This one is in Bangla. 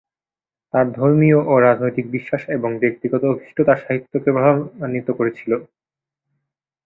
তার ধর্মীয় ও রাজনৈতিক বিশ্বাস এবং ব্যক্তিগত অভীষ্ট তার সাহিত্যকে প্রভাবান্বিত করেছিল।